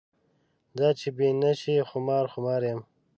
دا چې بې نشې خمار خمار یم.